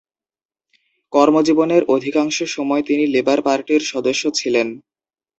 কর্মজীবনের অধিকাংশ সময় তিনি লেবার পার্টির সদস্য ছিলেন।